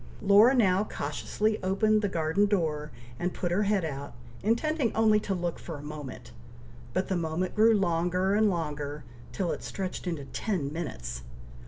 Laura now cautiously opened the garden door, and put her head out, intending only to look for a moment, but the moment grew longer and longer, till it stretched into ten minutes.